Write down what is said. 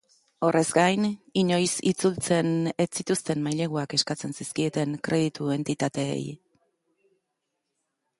Horrez gain, inoiz itzultzen ez zituzten maileguak eskatzen zizkieten kreditu entitateei.